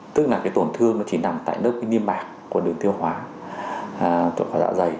tức là cái tổn thương nó chỉ nằm tại lớp niêm mạc của đường tiêu hóa tổn hợp dạ dày